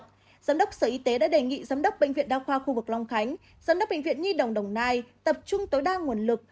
giám đốc sở y tế đã đề nghị giám đốc bệnh viện đa khoa khu vực long khánh giám đốc bệnh viện nhi đồng đồng nai tập trung tối đa nguồn lực